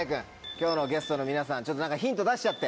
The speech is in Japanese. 今日のゲストの皆さん何かヒント出しちゃって！